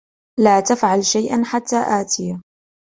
لا تفعل شيئا حتى آتي.